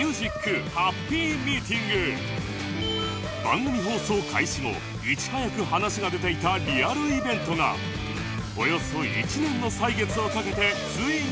番組放送開始後いち早く話が出ていたリアルイベントがおよそ１年の歳月をかけてついに実現